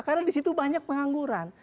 karena di situ banyak pengangguran